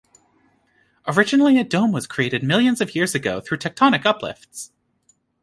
Originally a dome was created millions of years ago through tectonic uplifts.